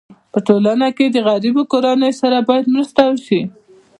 په ټولنه کي د غریبو کورنيو سره باید مرسته وسي.